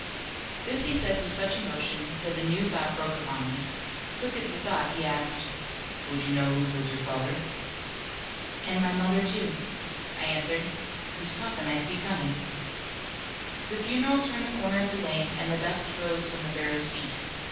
This he said with such emotion, that a new thought broke upon me. Quick as the thought, he asked, "Would you know who killed your father?" "And my mother, too," I answered, "whose coffin I see coming." The funeral turned the corner of the lane, and the dust rose from the bearers' feet.